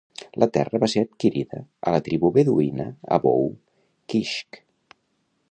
La terra va ser adquirida a la tribu beduïna Abou Kishk.